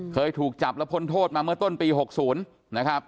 เคยถูกจับและพ้นโทษมาเมื่อต้นปี๖๐นะครับ